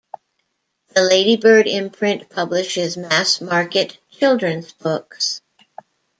The Ladybird imprint publishes mass-market children's books.